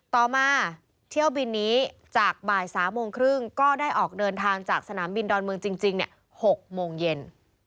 ต่อมาเที่ยวบินนี้จากบ่าย๓โมงครึ่งก็ได้ออกเดินทางจากสนามบินดอนเมืองจริง๖โมงเย็น